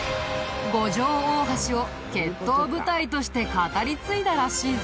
五条大橋を決闘舞台として語り継いだらしいぞ。